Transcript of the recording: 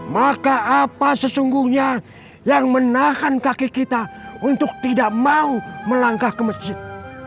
maka apa sesungguhnya yang menahan kaki kita untuk tidak mau melangkah ke masjid